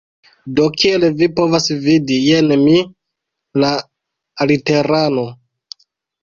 Do, kiel vi povas vidi, jen mi, la aliterano